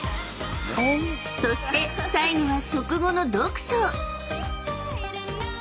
［そして最後は食後の］